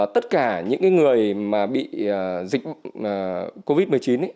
tất cả những cái người mà bị dịch covid một mươi chín